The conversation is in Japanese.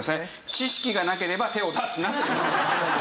「知識がなければ手を出すな！」という。